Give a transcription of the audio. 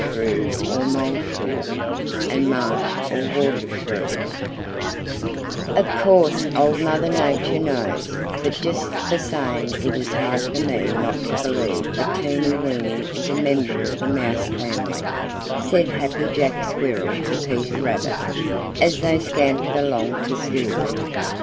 CHAPTER XIX Teeny Weeny and His Cousin "Of course Old Mother Nature knows, but just the same it is hard for me not to believe that Teeny Weeny is a member of the Mouse family," said Happy Jack Squirrel to Peter Rabbit, as they scampered along to school.